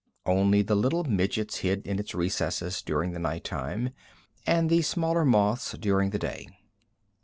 Only the little midgets hid in its recesses during the night time, and the smaller moths during the day.